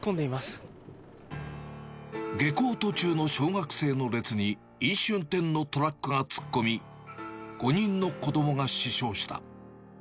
下校途中の小学生の列に、飲酒運転のトラックが突っ込み、５人の子どもが死傷した。